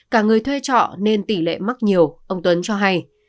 cả người thuê trọ nên tỷ lệ mắc nhiều ông tuấn cho hay